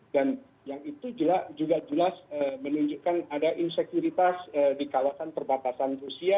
dan yang itu juga jelas menunjukkan ada insekuritas di kawasan perbatasan rusia